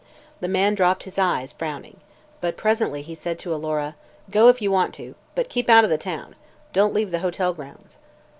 The man dropped his eyes, frowning. But presently he said to Alora: "Go, if you want to. But keep out of the town. Don't leave the hotel grounds."